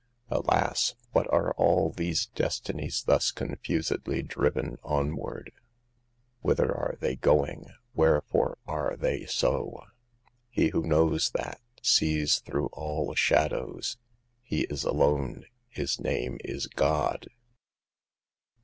66 Alas ! what are all these destinies thus confusedly driven onward ? Whither are they going ? Wherefore are they so ?" He who knows that sees through all sha dows. " He is alone. His name is God."